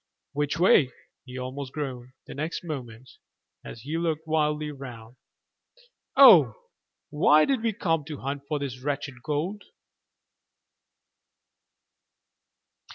"Which way?" he almost groaned, the next moment, as he looked wildly round. "Oh, why did we come to hunt for this wretched gold?"